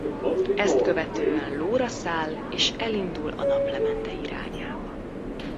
Ezt követően lóra száll és elindul a naplemente irányába.